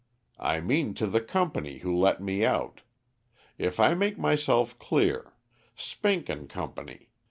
"I mean to the company who let me out, if I make myself clear; Spink and Company.